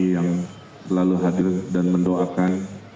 yang selalu hadir dan mendoakan